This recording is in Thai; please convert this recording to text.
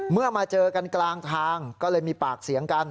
มาเจอกันกลางทางก็เลยมีปากเสียงกัน